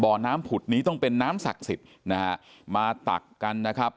บ่อน้ำผุดนี้ต้องเป็นน้ำศักดิ์สิทธิ์นะฮะมาตักกันนะครับ